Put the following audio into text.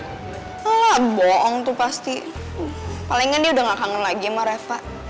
ah boong tuh pasti palingan dia udah ga kangen lagi sama reva